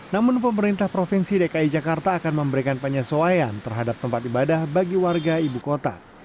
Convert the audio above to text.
namun pemerintah provinsi dki jakarta akan memberikan penyesuaian terhadap tempat ibadah bagi warga ibu kota